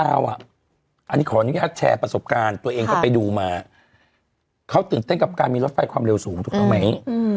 อันนี้ขออนุญาตแชร์ประสบการณ์ตัวเองก็ไปดูมาเขาตื่นเต้นกับการมีรถไฟความเร็วสูงถูกต้องไหม